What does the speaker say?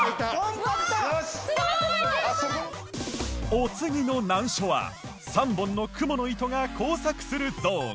お次の難所は３本のクモの糸が交錯するゾーン。